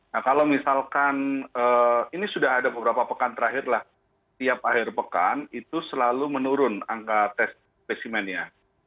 nah kalau misalkan ini sudah ada beberapa pekan terakhirlah tiap akhir pekan itu selalu menurun angka tes spesimennya